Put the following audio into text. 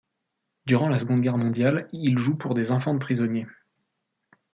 Durant la Seconde Guerre Mondiale, il joue pour des enfants de prisonniers.